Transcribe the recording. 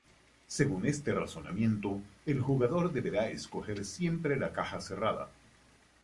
Según este razonamiento, el jugador deberá escoger siempre la caja cerrada.